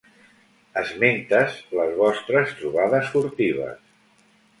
Esmentes les vostres trobades furtives.